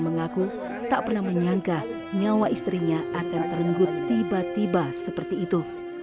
mengaku tak pernah menyangka nyawa istrinya akan terenggut tiba tiba seperti itu